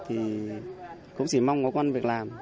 thì cũng chỉ mong có con việc làm